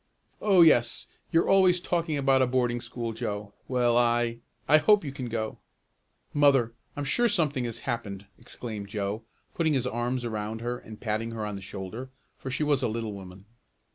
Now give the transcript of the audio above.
"Oh yes, you're always talking about a boarding school, Joe. Well, I I hope you can go." "Mother, I'm sure something has happened!" exclaimed Joe, putting his arms around her and patting her on the shoulder, for she was a little woman.